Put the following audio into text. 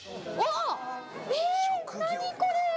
何これ？